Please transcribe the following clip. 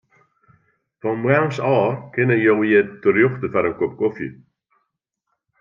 Fan moarns ôf kinne jo hjir terjochte foar in kop kofje.